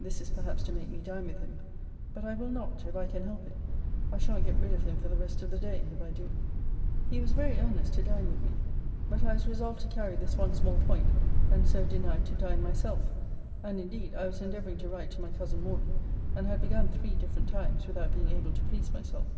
This is perhaps to make me dine with him. But I will not, if I can help it. I shan't get rid of him for the rest of the day, if I do. He was very earnest to dine with me. But I was resolved to carry this one small point; and so denied to dine myself. And indeed I was endeavouring to write to my cousin Morden; and had begun three different times, without being able to please myself.